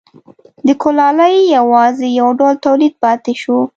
د کولالۍ یوازې یو ډول تولید پاتې شو